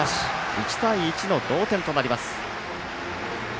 １対１の同点となります。